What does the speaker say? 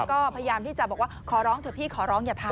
ก็พยายามที่จะบอกว่าขอร้องเถอะพี่ขอร้องอย่าทำ